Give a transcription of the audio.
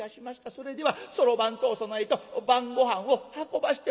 それではそろばんとお供えと晩ごはんを運ばしてもらいます」。